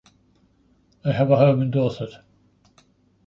They have a home in Dorset.